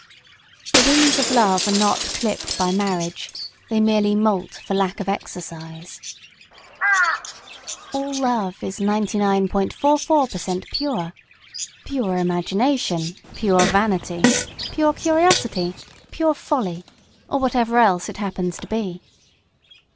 The wings of love are not clipped by marriage; they merely molt for lack of exercise. All love is 99.44 per cent pure: pure imagination, pure vanity, pure curiosity, pure folly or whatever else it happens to be.